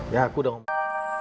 ya aku udah ngomong